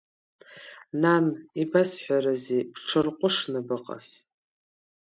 Нан, ибасҳәарызеи, бҽырҟәышны быҟаз.